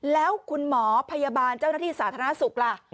แล้วคุณหมอพยาบาลเจ้าหน้าที่สาธารณสุขล่ะ